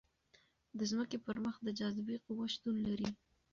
د ځمکې پر مخ د جاذبې قوه شتون لري.